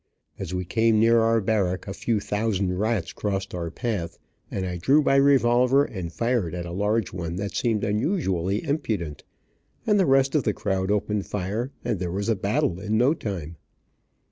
As we came near our barrack, a few thousand rats crossed our path, and I drew my revolver and fired at a large one that seemed unusually impudent, and the rest of the crowd opened fire, and there was a battle in no time.